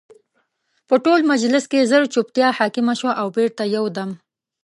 په ټول مجلس کې ژر جوپتیا حاکمه شوه او بېرته یو دم